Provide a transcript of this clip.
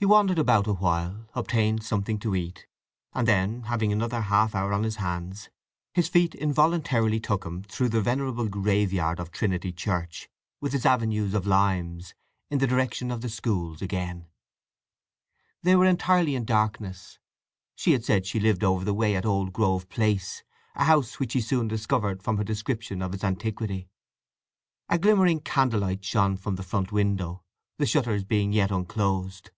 He wandered about awhile, obtained something to eat; and then, having another half hour on his hands, his feet involuntarily took him through the venerable graveyard of Trinity Church, with its avenues of limes, in the direction of the schools again. They were entirely in darkness. She had said she lived over the way at Old Grove Place, a house which he soon discovered from her description of its antiquity. A glimmering candlelight shone from a front window, the shutters being yet unclosed.